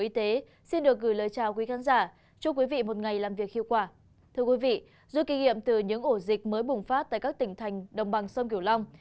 thưa quý vị dù kỷ niệm từ những ổ dịch mới bùng phát tại các tỉnh thành đồng bằng sông kiểu long